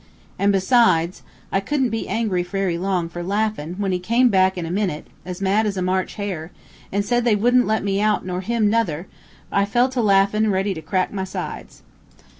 An' besides, I couldn't be angry very long for laughin, for when he come back in a minute, as mad as a March hare, an' said they wouldn't let me out nor him nuther, I fell to laughin' ready to crack my sides.